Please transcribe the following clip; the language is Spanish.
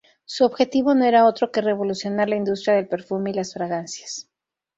Su objetivo no era otro que revolucionar la industria del perfume y las fragancias.